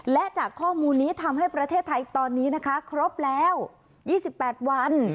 และจากข้อมูลนี้ทำให้ประเทศไทยตอนนี้นะคะครบแล้ว๒๘วัน